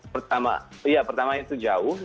pertama iya pertama itu jauh